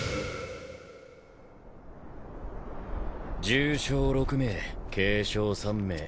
重傷６名軽傷３名。